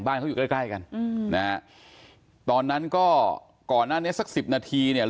บ้านเขาอยู่ใกล้กันนะฮะตอนนั้นก็ก่อนนั้นเนี่ยสัก๑๐นาทีเนี่ย